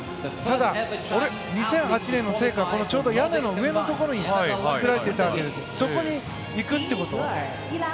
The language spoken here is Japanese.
２００８年の時はこのちょうど屋根の上のところに作られていたわけですがそこに行くってこと？